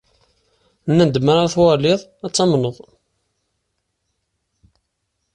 Nnan-d mi ara twalid, ad tamned.